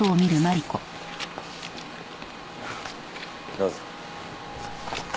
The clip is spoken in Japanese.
どうぞ。